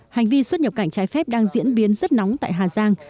hành vi xuất nhập cảnh trái phép đang diễn biến rất nóng tại hà giang